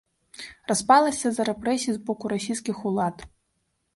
Распалася з-за рэпрэсій з боку расійскіх улад.